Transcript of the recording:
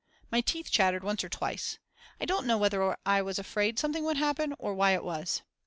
My teeth chattered once or twice, I don't know whether I was afraid something would happen or why it was.